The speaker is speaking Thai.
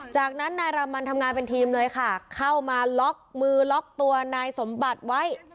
จากนั้นนายรามันทำงานเป็นทีมเลยค่ะเข้ามาล็อกมือล็อกตัวนายสมบัติไว้